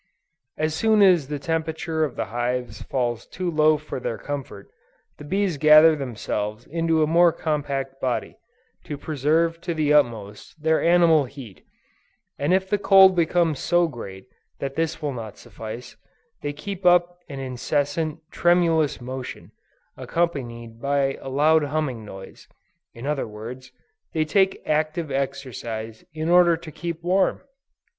As soon as the temperature of the hives falls too low for their comfort, the bees gather themselves into a more compact body, to preserve to the utmost, their animal heat; and if the cold becomes so great that this will not suffice, they keep up an incessant, tremulous motion, accompanied by a loud humming noise; in other words, they take active exercise in order to keep warm!